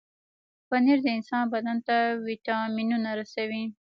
پنېر د انسان بدن ته وټامنونه رسوي.